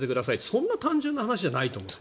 そんな単純な話じゃないと思う。